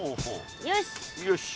よし。